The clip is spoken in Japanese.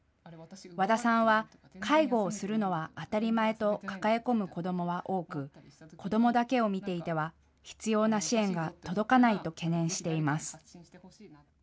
和田さんは、介護をするのは当たり前と抱え込む子どもは多く、子どもだけを見ていては必要な支援が届かないと懸念しています。